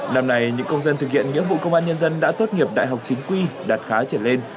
năm nay những công dân thực hiện nghĩa vụ công an nhân dân đã tốt nghiệp đại học chính quy đạt khá trở lên